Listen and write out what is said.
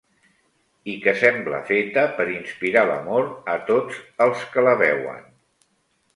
I que sembla feta per inspirar l'amor a tots els que la veuen.